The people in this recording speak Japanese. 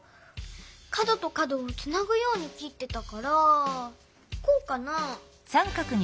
かどとかどをつなぐようにきってたからこうかな？